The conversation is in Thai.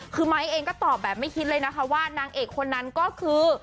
คือไมค์เองก็ตอบแบบไม่คิดเลยนะคะว่านางเอกคนนั้นก็คือ